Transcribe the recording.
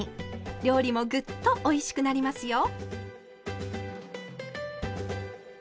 料理もぐっとおいしくなりますよ。